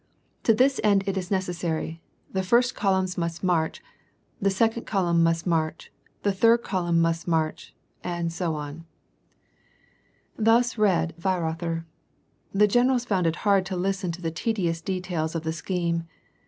To this end it is necessaiy: the first column must march — the second column must march — the third column must march "— and so on. Thus read Weirother. The generals found it hard to listen to the tedious details of the scheme.